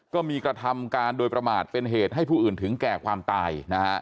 ก็มีกระทำการโดยประมาทเป็นเหตุให้ผู้อื่นถึงแก่ความตายนะฮะ